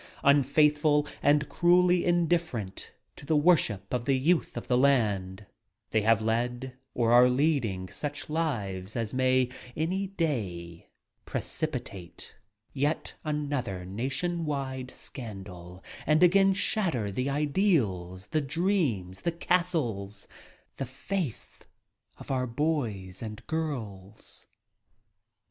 Unfaithful and cruelly indifferent to the worship of the youth of the land, they have led or are leading such lives as may, any day, precipitate yet another nation wide scandal and again shatter the ideals, the dreams, the castles, the faith of our and girls!